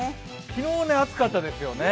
昨日暑かったですよね。